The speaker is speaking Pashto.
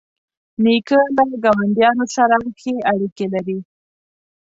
نیکه له ګاونډیانو سره ښې اړیکې لري.